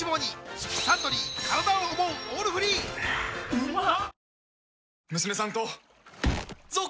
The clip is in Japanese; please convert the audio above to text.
うまっ！